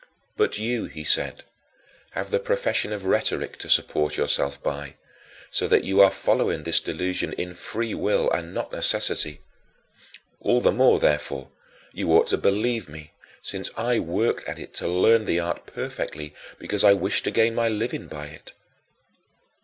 "But you," he said, "have the profession of rhetoric to support yourself by, so that you are following this delusion in free will and not necessity. All the more, therefore, you ought to believe me, since I worked at it to learn the art perfectly because I wished to gain my living by it."